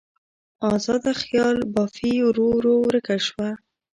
ازاده خیال بافي ورو ورو ورکه شوه.